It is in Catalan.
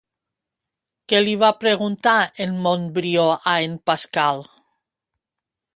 Què li va preguntar en Montbrió a en Pascal?